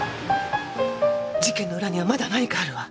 事件の裏にはまだ何かあるわ。